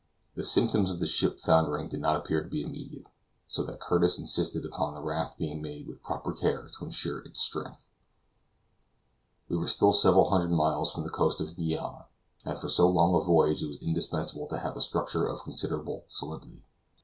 The symptoms of the ship foundering did not appear to be immediate; so that Curtis insisted upon the raft being made with proper care to insure its strength; we were still several hundred miles from the coast of Guiana, and for so long a voyage it was indispensable to have a structure of considerable solidity.